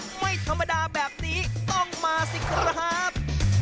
ไม่ธรรมดาแบบนี้ต้องมาสิครับ